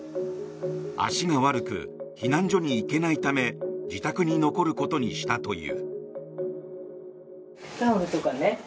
足が悪く避難所に行けないため自宅に残ることにしたという。